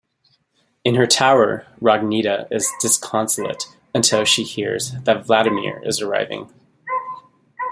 In her tower, Rogneda is disconsolate until she hears that Vladimir is arriving.